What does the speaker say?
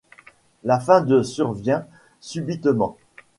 La fin de survient subitement.